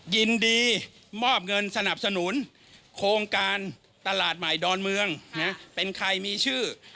ยินดีมอบเงินสนับสนุนโครงการตลาดใหม่ดอนเมืองเป็นใครมีชื่อ